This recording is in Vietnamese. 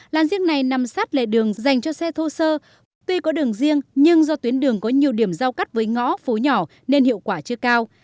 làn riêng này nằm sát lệ đường dành cho xe thô sơ tuy có đường riêng nhưng do tuyến đường có nhiều điểm giao cắt với ngõ phố nhỏ nên hiệu quả chưa cao